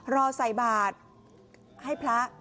รอใส่บาทให้พระ